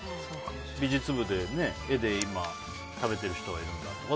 美術部で絵で今食べてる人がいるとか。